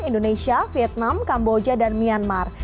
indonesia vietnam kamboja dan myanmar